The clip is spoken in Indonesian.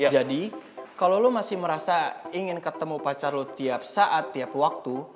jadi kalau lo masih merasa ingin ketemu pacar lo tiap saat tiap waktu